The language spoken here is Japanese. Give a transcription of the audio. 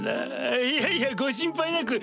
いやいやご心配なく！